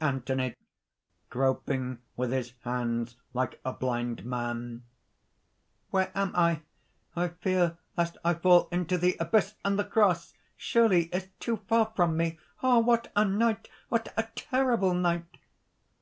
_) ANTHONY (groping with his hands like a blind man: ) "Where am I?... I fear lest I fall into the abyss! And the cross, surely, is too far from me. Ah! what a night! what a terrible night!"